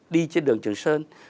đi trên đường trường sơn